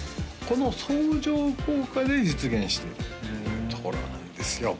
この相乗効果で実現しているところなんですよ